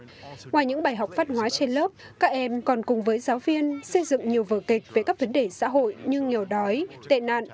ngoài những bài học phát hóa trên lớp các em còn cùng với giáo viên xây dựng nhiều vở kịch về các vấn đề xã hội như nghèo đói tệ nạn